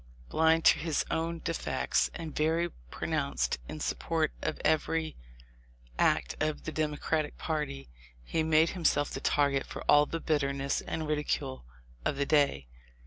Blind to his own defects, and very pronounced in support of every act of the Democratic party, he made himself the target for all the bitterness and ridicule of the day.